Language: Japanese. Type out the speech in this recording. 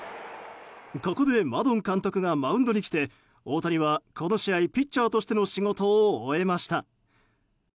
ここでマドン監督がマウンドに来て大谷はこの試合ピッチャーとしての仕事を終えました。